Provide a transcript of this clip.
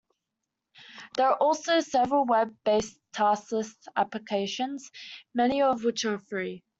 There are also several web-based task list applications, many of which are free.